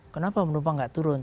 kenapa penumpang nggak turun